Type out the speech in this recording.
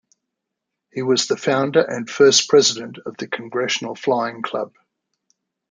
He was the founder and first president of the Congressional Flying Club.